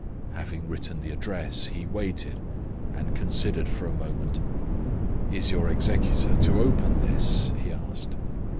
Having written the address, he waited, and considered for a moment. "Is your executor to open this?" he asked.